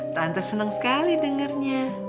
tante senang sekali dengarnya